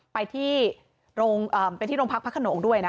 ไปที่โรงพักพักขนงด้วย